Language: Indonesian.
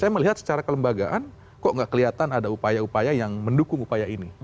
saya melihat secara kelembagaan kok nggak kelihatan ada upaya upaya yang mendukung upaya ini